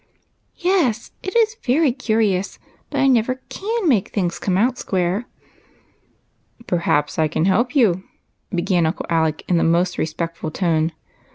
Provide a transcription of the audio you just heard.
" Yes ; it is very curious, but I never can make things come out square." " Perhaps I can help you," began Uncle Alec, in the most respectful tone.